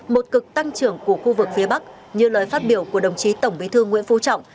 một cực tăng trưởng của khu vực phía bắc như lời phát biểu của đồng chí tổng bí thư nguyễn phú trọng